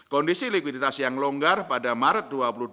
kondisi likuiditas yang longgar pada maret dua ribu dua puluh